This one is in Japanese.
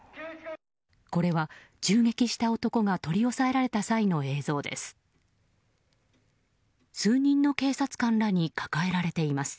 これは、銃撃した男が取り押さえられた際の映像です。